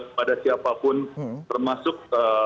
kepada siapapun termasuk